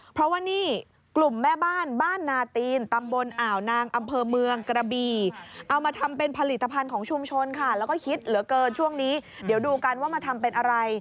เพราะว่านี่กลุ่มแม่บ้านบ้านนาตีนตำบลอ่าวนางอำเภอเมืองกระบีเอามาทำเป็นผลิตภัณฑ์ของชุมชนค่ะแล้วก็ฮิตเหลือเกินช่วงนี้เดี๋ยวดูกันว่ามาทำเป็นอะไร